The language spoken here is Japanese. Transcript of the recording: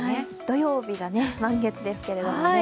土曜日が満月ですけれどもね。